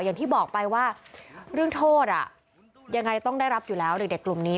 อย่างที่บอกไปว่าเรื่องโทษยังไงต้องได้รับอยู่แล้วเด็กกลุ่มนี้